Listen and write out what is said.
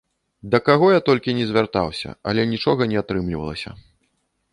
Да каго я толькі не звяртаўся, але нічога не атрымлівалася.